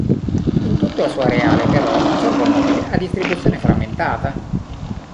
In tutto il suo areale, però, il cervo nobile ha distribuzione frammentata.